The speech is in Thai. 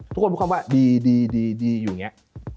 ทุกคนพูดคำว่าดีอยู่อย่างนี้